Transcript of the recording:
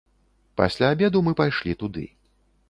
Пасля абеду мы пайшлі туды.